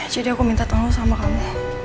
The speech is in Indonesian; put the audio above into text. jadi aku minta tolong sama kamu